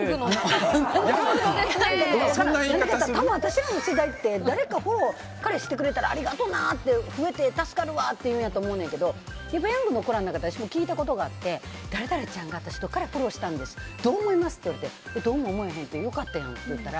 私らの世代って誰か彼氏をフォローしてくれたらありがとうなって増えて助かるわって言うと思うねんけどヤングの子らに聞いたことあって、誰々ちゃんが私の彼フォローしたんですどう思います？って言われてどうも思えへんよかったやんって言ったら